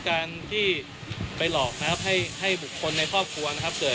การที่ไปหลอกนะครับให้บุคคลในครอบครัวนะครับเกิด